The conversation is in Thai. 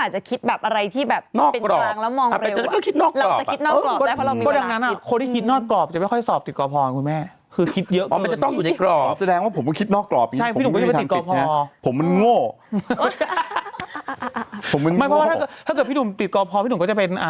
ใช่อีกวันก็จะมีความแบบนั้น